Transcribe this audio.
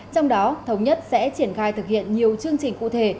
trong đó thống nhất sẽ triển khai thực hiện nhiều chương trình cụ thể